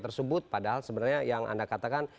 tersebut padahal sebenarnya yang anda katakan